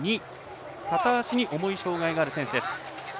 片足に重い障がいのある選手です。